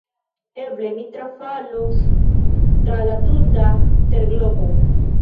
Eble mi trafalos tra la tuta terglobo!